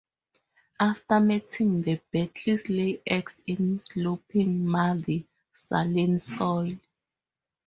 After mating, the beetles lay eggs in sloping, muddy, saline soil.